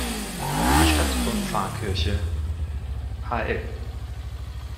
Stadt- und Pfarrkirche Hl.